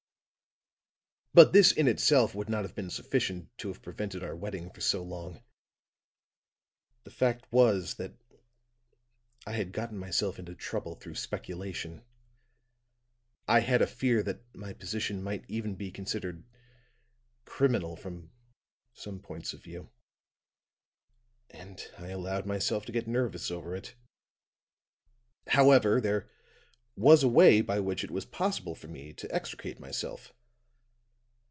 But this in itself would not have been sufficient to have prevented our wedding for so long. The fact was that I had gotten myself into trouble through speculation; I had a fear that my position might even be considered criminal from some points of view. And I allowed myself to get nervous over it. "However, there was a way by which it was possible for me to extricate myself.